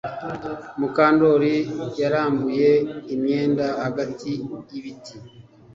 Mukandoli yarambuye imyenda hagati yibiti